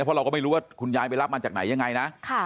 เพราะเราก็ไม่รู้ว่าคุณยายไปรับมาจากไหนยังไงนะ